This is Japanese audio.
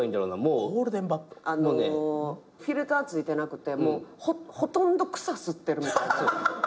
フィルターついてなくてほとんど草吸ってるみたいな。